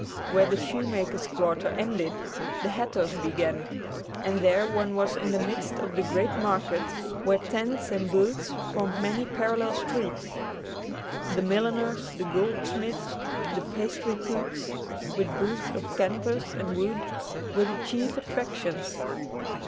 Where the shoemakers' quarter ended, the hatters' began, and there one was in the midst of the great market where tents and booths formed many parallel streets. The milliners, the goldsmiths, the pastry cooks, with booths of canvas and wood, were the chief attractions.